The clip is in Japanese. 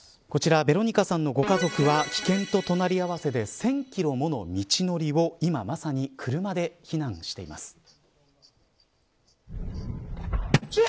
こちらヴェロニカさんのご家族は危険と隣合わせで１０００キロもの道のりを今まさに車で避難しています。